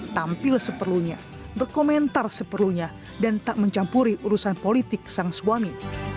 tampil seperlunya berkomentar seperlunya dan tak mencampuri urusan politik sang suami